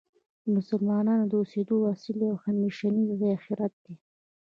د مسلمانانو د اوسیدو اصلی او همیشنی ځای آخرت دی .